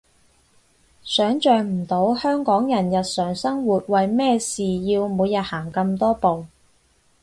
想像唔到香港人日常生活為咩事要每日行咁多步